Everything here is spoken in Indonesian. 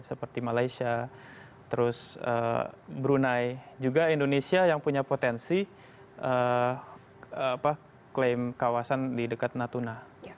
seperti malaysia terus brunei juga indonesia yang punya potensi klaim kawasan di dekat natuna